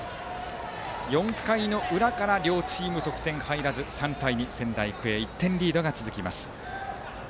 ４回の裏から両チーム得点入らず３対２、仙台育英１点リードが続きます。